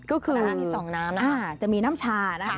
ก็คือจะมีน้ำชานะ